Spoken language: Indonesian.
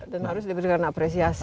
dan harus diberikan apresiasi